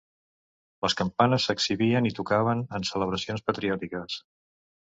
Les campanes s'exhibien i tocaven en celebracions patriòtiques.